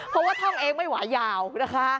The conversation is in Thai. เพราะว่าท่องเองไม่ไหวยาวนะคะ